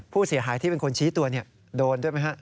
ผู้เสียหายที่เป็นคนชี้ตัวเนี่ยโดนด้วยไหมครับ